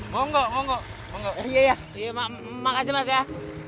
mau gak mau gak iya makasih mas ya